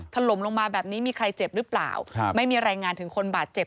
ถล่มลงมาแบบนี้มีใครเจ็บหรือเปล่าครับไม่มีรายงานถึงคนบาดเจ็บ